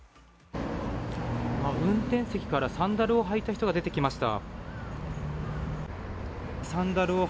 運転席からサンダルを履いた人が出てきました。